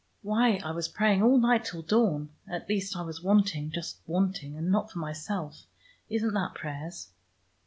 "Why I was praying all night till dawn. At least, I was wanting, just wanting, and not for myself. Isn't that prayers?"